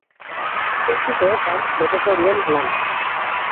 Ez dute esan beteko duen lana.